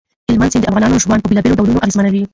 هلمند سیند د افغانانو ژوند په بېلابېلو ډولونو اغېزمنوي.